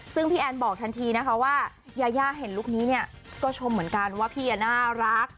ซึ่งพี่แอนบอกทันทีนะคะว่ายายาเห็นลุคนี้เนี่ยก็ชมเหมือนกันว่าพี่น่ารัก